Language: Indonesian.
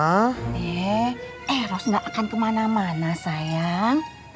eh eros gak akan kemana mana sayang